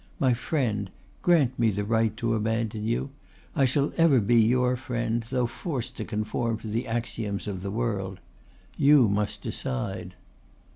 My friend, grant me the right to abandon you. I shall ever be your friend, though forced to conform to the axioms of the world. You must decide."